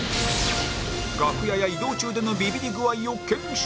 楽屋や移動中でのビビリ具合を検証